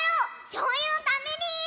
しょうゆのために！